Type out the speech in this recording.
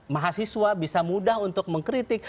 mahasiswa bisa mudah untuk mengkritik